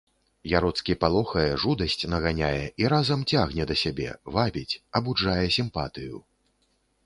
Яроцкі палохае, жудасць наганяе і разам цягне да сябе, вабіць, абуджае сімпатыю.